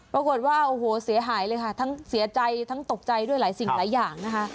ปรากฏว่าโอ้โหเสียหายเลยค่ะทั้งเสียใจทั้งตกใจด้วยหลายสิ่งหลายอย่างนะคะ